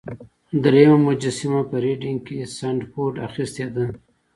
دریمه مجسمه په ریډینګ کې سنډفورډ اخیستې ده.